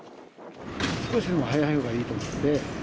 少しでも早いほうがいいと思って。